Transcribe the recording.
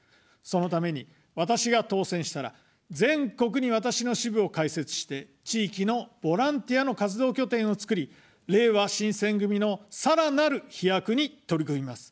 そのために、私が当選したら、全国に私の支部を開設して、地域のボランティアの活動拠点を作り、れいわ新選組のさらなる飛躍に取り組みます。